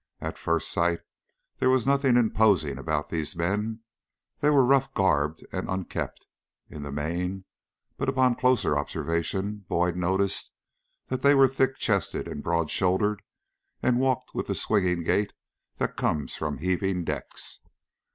At first sight there was nothing imposing about these men: they were rough garbed and unkempt, in the main; but upon closer observation Boyd noticed that they were thick chested and broad shouldered, and walked with the swinging gait that comes from heaving decks.